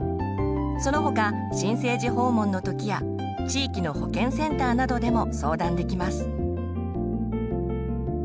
その他新生児訪問の時や地域の保健センターなどでも相談できます。